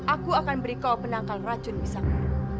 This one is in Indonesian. aku akan beri kau penangkal racun misalnya